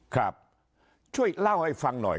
ครับช่วยเล่าให้ฟังหน่อย